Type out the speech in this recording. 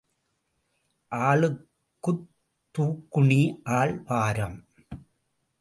ஆளுக்குத் துக்குணி ஆள் பாரம்.